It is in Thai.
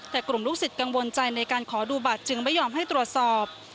แต่กลุ่มลูกศิษย์กังวลใจในการขอดูบัตรจึงไม่ยอมให้ตรวจสอบ